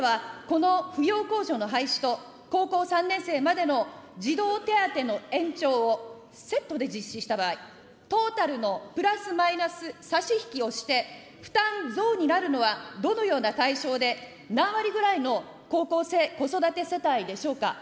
ついては、この扶養控除の廃止と、高校３年生までの児童手当の延長をセットで実施した場合、トータルのプラスマイナス差し引きをして、負担増になるのはどのような対象で、何割ぐらいの高校生子育て世帯でしょうか。